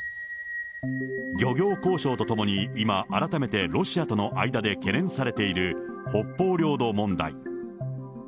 漁業交渉とともに今、改めてロシアとの間で懸念されている、北方領土問題。